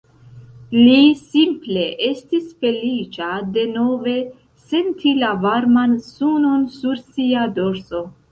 Li simple estis feliĉa denove senti la varman sunon sur sia dorso.